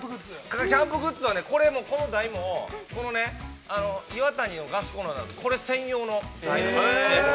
◆キャンプグッズは、この台も、このね、イワタニのガスコンロなんです、これ専用の台なんです。